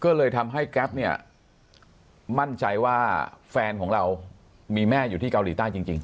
ก็เลยทำให้แก๊ปเนี่ยมั่นใจว่าแฟนของเรามีแม่อยู่ที่เกาหลีใต้จริง